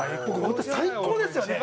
本当最高ですよね。